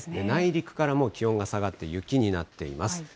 内陸からもう気温が下がって、雪になっています。